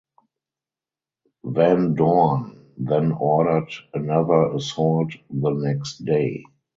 Van Dorn then ordered another assault the next day.